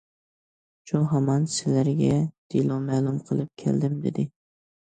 شۇ ھامان سىلەرگە دېلو مەلۇم قىلىپ كەلدىم،- دېدى.